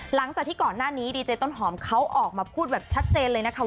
หลังจากที่ก่อนหน้านี้ดีเจต้นหอมเขาออกมาพูดแบบชัดเจนเลยนะคะ